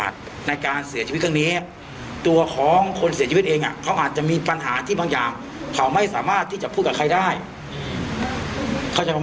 แต่ไม่ได้ทำให้เขาตายใช่ไหม